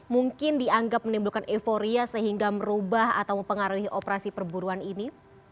mungkin dianggap menimbulkan euforia sehingga merubah atau mempengaruhi operasi perburuan ini